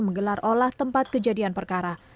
menggelar olah tempat kejadian perkara